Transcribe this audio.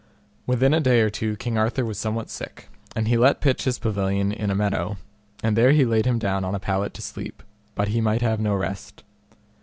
Within a day or two King Arthur was somewhat sick, and he let pitch his pavilion in a meadow, and there he laid him down on a pallet to sleep, but he might have no rest.